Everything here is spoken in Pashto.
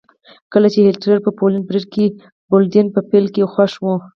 کله چې هېټلر په پولنډ برید وکړ پولنډیان په پیل کې خوښ وو